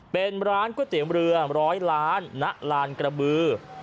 เป็นร้านก๋วยเตี๋ยวเรือ๑๐๐ล้านณลานกระบือ